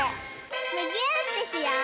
むぎゅーってしよう！